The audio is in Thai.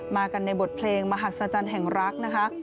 มากันในบทเพลงมหัศจรรย์แห่งรักนะคะ